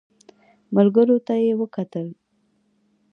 ملګرو ته يې وکتل.